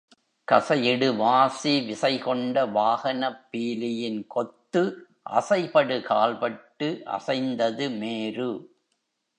கசையிடு வாசி விசைகொண்ட வாகனப் பீலியின்கொத்து அசைபடு கால்பட்டு அசைந்தது மேரு.